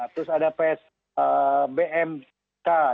terus ada bmk